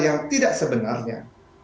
yang tidak sebenarnya